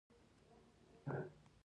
چې د نورو ټولو په پرتله يې معلومات لرل.